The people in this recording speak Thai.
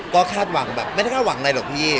ก็คาดหวังแบบไม่ได้คาดหวังอะไรหรอกพี่